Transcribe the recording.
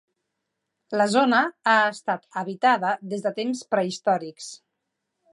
La zona ha estat habitada des de temps prehistòrics.